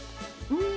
うん！